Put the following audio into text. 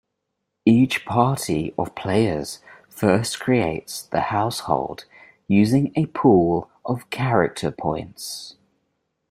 Each party of players first creates the household using a pool of character points.